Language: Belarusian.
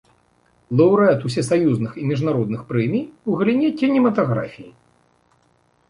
Лаўрэат усесаюзных і міжнародных прэмій у галіне кінематаграфіі.